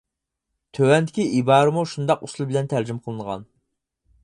تۆۋەندىكى ئىبارىمۇ شۇنداق ئۇسۇل بىلەن تەرجىمە قىلىنغان.